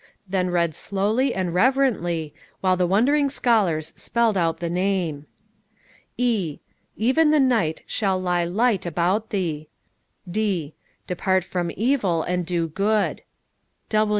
Then read slowly and reverently, while the wondering scholars spelled out the name. "E Even the night shall lie light about thee. D Depart from evil and do good.